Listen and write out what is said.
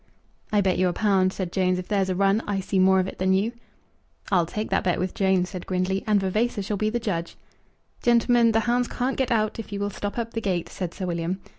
"I bet you a pound," said Jones, "if there's a run, I see more of it than you." "I'll take that bet with Jones," said Grindley, "and Vavasor shall be the judge." "Gentlemen, the hounds can't get out, if you will stop up the gate," said Sir William.